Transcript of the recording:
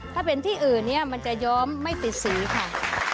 ถ้าเป็นที่อื่นเนี่ยมันจะย้อมไม่ติดสีค่ะ